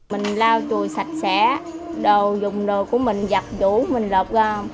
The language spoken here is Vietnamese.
mình lao chùi sạch sẽ đồ dùng đồ của mình giặt đủ mình lọt ra